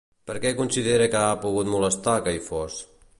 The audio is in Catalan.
Per què considera que ha pogut molestar que hi fos?